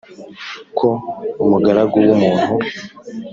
ko umugaragu w'umuntu